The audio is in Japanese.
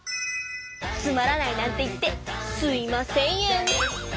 つまらないなんて言ってすいま千円。